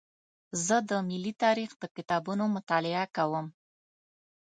زه د ملي تاریخ د کتابونو مطالعه کوم.